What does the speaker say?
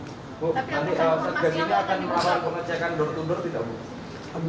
bu nanti setelah ini akan awal pengecekan door to door tidak bu